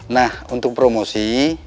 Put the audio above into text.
nah untuk promosi